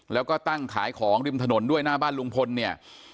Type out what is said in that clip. แล้วก็ตั้งขายของริมถนนด้วยหน้าบ้านลุงพลเนี่ย